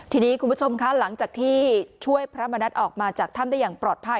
ทีนี้คุณผู้ชมคะหลังจากที่ช่วยพระมณัฐออกมาจากถ้ำได้อย่างปลอดภัย